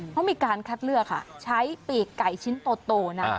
เขามีการคัดเลือกค่ะใช้ปีกไก่ชิ้นโตนะ